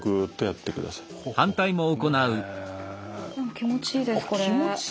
気持ちいいですこれ。